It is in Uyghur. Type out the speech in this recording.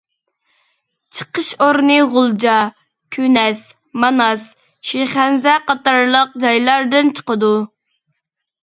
چىقىش ئورنى غۇلجا، كۈنەس، ماناس، شىخەنزە قاتارلىق جايلاردىن چىقىدۇ.